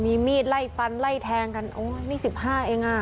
มีมีดไล่ฟันไล่แทงกันโอ้ยนี่๑๕เองอ่ะ